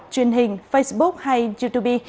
truyền hình facebook hay youtube